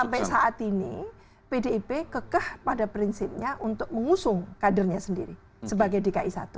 sampai saat ini pdip kekeh pada prinsipnya untuk mengusung kadernya sendiri sebagai dki satu